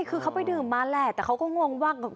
คือเขาไปดื่มมาแหละแต่เขาก็งงว่า